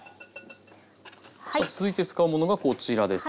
さあ続いて使うものがこちらです。